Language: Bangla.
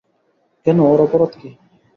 কেন, ওর অপরাধ কী?